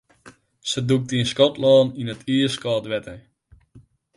Se dûkte yn Skotlân yn iiskâld wetter.